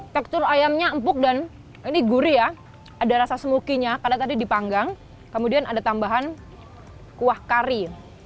tekstur ayamnya empuk dan ini gurih ya ada rasa smookinya karena tadi dipanggang kemudian ada tambahan kuah kari